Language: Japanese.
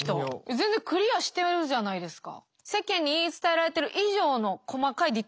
全然クリアしてるじゃないですか。